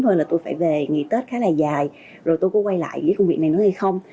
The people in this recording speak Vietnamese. thôi là tôi phải về nghỉ tết khá là dài rồi tôi có quay lại với công việc này nữa hay không